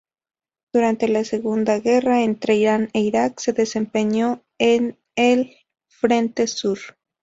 Durante la guerra entre Irán e Irak, se desempeñó en el frente sur.